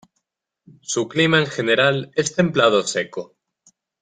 Su clima en general es templado seco.